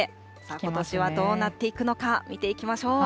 ことしはどうなっていくのか、見ていきましょう。